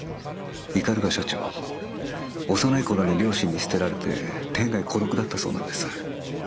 社長幼い頃に両親に捨てられて天涯孤独だったそうなんです。